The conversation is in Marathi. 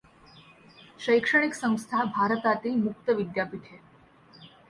शैक्षणिक संस्था भारतातील मुक्त विद्यापीठे.